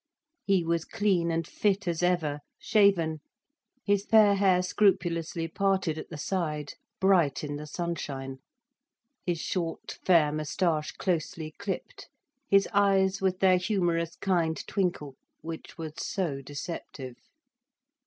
He was clean and fit as ever, shaven, his fair hair scrupulously parted at the side, bright in the sunshine, his short, fair moustache closely clipped, his eyes with their humorous kind twinkle, which was so deceptive.